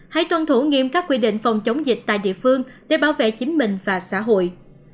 hãy tuân thủ nghiêm các quy định phòng chống dịch tại địa phương để bảo vệ chính mình và xã hội